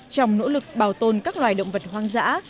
trong nỗ lực bảo tồn các loài động vật hoang dã